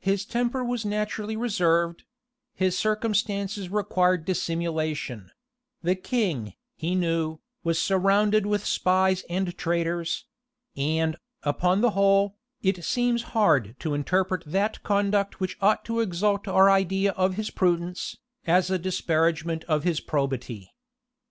His temper was naturally reserved; his circumstances required dissimulation; the king, he knew, was surrounded with spies and traitors; and, upon the whole, it seems hard to interpret that conduct which ought to exalt our idea of his prudence, as a disparagement of his probity.